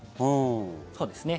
そうですね。